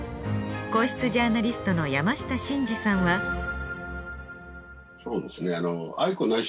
皇室ジャーナリストの山下晋司さんはそうですね